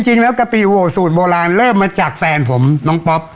จริงแล้วกะปิโหวสูตรโบราณเริ่มมาจากแฟนผมน้องป๊อป